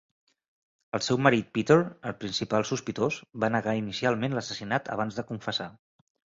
El seu marit Peter, el principal sospitós, va negar inicialment l'assassinat abans de confessar.